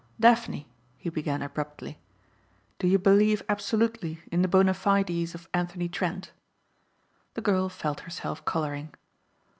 "Daphne," he began abruptly, "Do you believe absolutely in the bona fides of Anthony Trent?" The girl felt herself coloring.